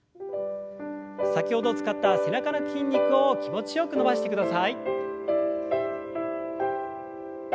先ほど使った背中の筋肉を気持ちよく伸ばしてください。